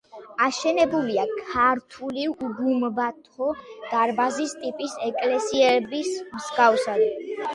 აშენებულია ქართული უგუმბათო, დარბაზის ტიპის ეკლესიების მსგავსად.